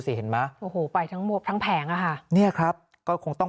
เห็นไหมโอ้โหไปทั้งมวบทั้งแผงอ่ะค่ะเนี่ยครับก็คงต้อง